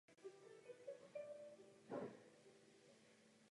Byla zvětšena boční okna.